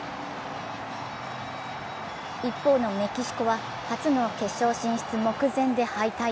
一方のメキシコは、初の決勝進出目前で敗退。